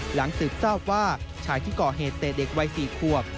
หลังสืบทราบว่าชายที่ก่อเหตุเตะเด็กวัย๔ขวบ